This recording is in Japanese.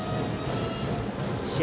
試合